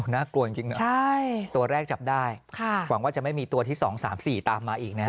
น่ากลัวจริงนะตัวแรกจับได้หวังว่าจะไม่มีตัวที่๒๓๔ตามมาอีกนะฮะ